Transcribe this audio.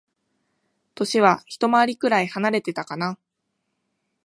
歳はひと回りくらい離れてたかな。